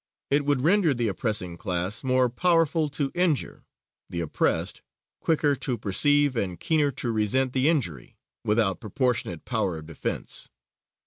It would render the oppressing class more powerful to injure, the oppressed quicker to perceive and keener to resent the injury, without proportionate power of defense.